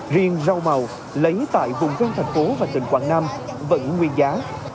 riêng rau màu lấy tại vùng ven thành phố và tỉnh quảng nam vẫn nguyên giá